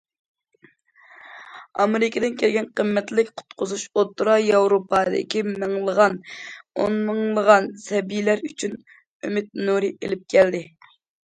ئامېرىكىدىن كەلگەن قىممەتلىك قۇتقۇزۇش ئوتتۇرا ياۋروپادىكى مىڭلىغان، ئونمىڭلىغان سەبىيلەر ئۈچۈن ئۈمىد نۇرى ئېلىپ كەلدى.